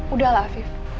udah lah fif